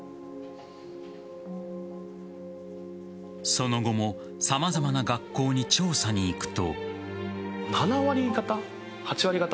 その後も様々な学校に調査に行くと。